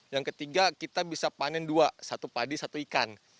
yang ketiga kita bisa panen dua satu padi satu ikan